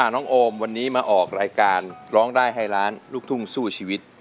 น้องโอมวันนี้มาออกรายการร้องได้ให้ล้านลูกทุ่งสู้ชีวิต